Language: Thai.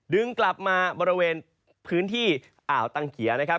ดึงกลับมาบริเวณชาติกุลก่อหางอากาศอาวตังเขียร์